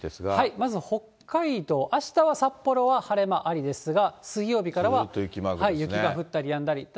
まず、北海道、あしたは札幌は晴れ間ありですが、水曜日からは雪が降ったりやんだりと。